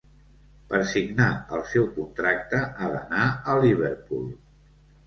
Per signar el seu contracte, ha d'anar a Liverpool.